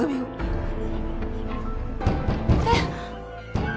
えっ？